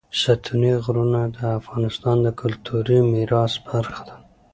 ستوني غرونه د افغانستان د کلتوري میراث برخه ده.